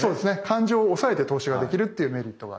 感情を抑えて投資ができるっていうメリットがある。